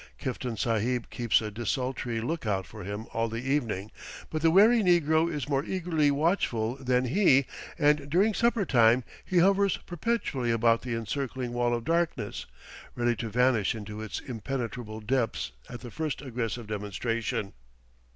Kiftan Sahib keeps a desultory lookout for him all the evening, but the wary negro is more eagerly watchful than he, and during supper time he hovers perpetually about the encircling wall of darkness, ready to vanish into its impenetrable depths at the first aggressive demonstration.